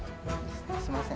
すみません。